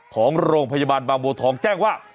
ของโรงพยาบาลบางบัวทองแจ้งว่า